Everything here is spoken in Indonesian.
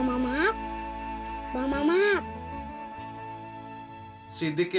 kam mintajim mungkin dibebe tui